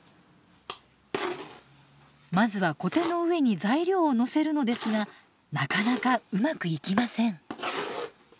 まずはコテの上に材料をのせるのですがなかなかうまくいきません。